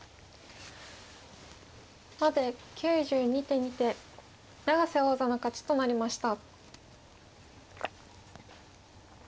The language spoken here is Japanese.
まで９２手にて永瀬王座の勝ちとなりました。